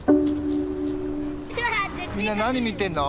みんな何見てるの？